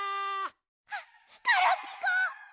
あっガラピコ！